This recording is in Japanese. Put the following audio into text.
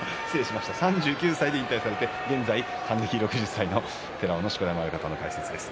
３９歳で引退して現在、還暦の６０歳の錣山親方の解説です。